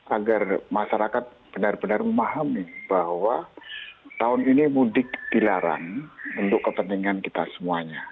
agar masyarakat benar benar memahami bahwa tahun ini mudik dilarang untuk kepentingan kita semuanya